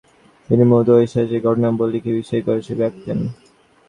তিনি মূলত ঐতিহাসিক ঘটনাবলীকে বিষয় করে ছবি আঁকতেন।